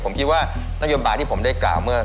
ผมคิดว่านโยบายที่ผมได้กล่าวเมื่อ